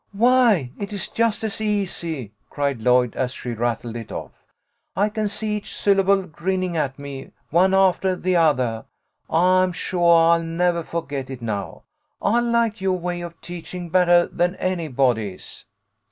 "Why, it is just as easy," cried Lloyd, as she rattled it off. " I can see each syllable grinning at me, one aftah the othah. I am suah I'll nevah fo'get it now. I like your way of teaching, bettah than anybody's."